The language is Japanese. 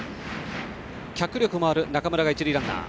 脚力もある中村が一塁ランナー。